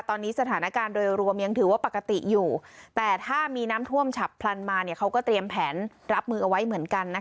ตอนนี้สถานการณ์โดยรวมยังถือว่าปกติอยู่แต่ถ้ามีน้ำท่วมฉับพลันมาเขาก็เตรียมแผนรับมือเอาไว้เหมือนกัน